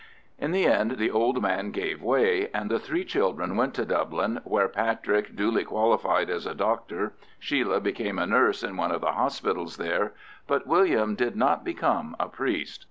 In the end the old man gave way and the three children went to Dublin, where Patrick duly qualified as a doctor, Sheila became a nurse in one of the hospitals there, but William did not become a priest.